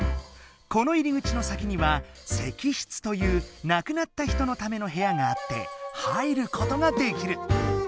この入り口の先には「石室」という亡くなった人のための部屋があって入ることができる。